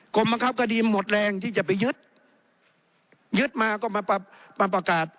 บังคับคดีหมดแรงที่จะไปยึดยึดมาก็มามาประกาศ